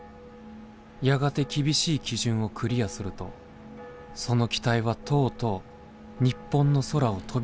やがて厳しい基準をクリアするとその機体はとうとう日本の空を飛び始めたのだ。